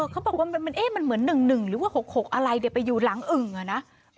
เขาบอกว่ามันเหมือนหนึ่งหรือว่าหกอะไรเดี๋ยวไปอยู่หลังอึงอ่ะนะ